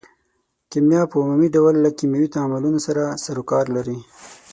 کیمیا په عمومي ډول له کیمیاوي تعاملونو سره سرو کار لري.